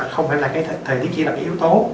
không phải là cái thời tiết chỉ là cái yếu tố